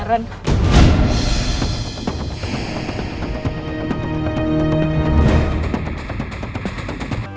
pangeran dituduh culik pangeran